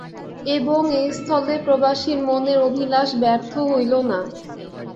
এবং এস্থলে প্রবাসীর মনের অভিলাষ ব্যর্থ হইল না।